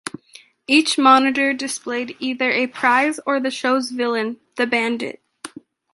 Each monitor displayed either a prize or the show's villain, the bandit.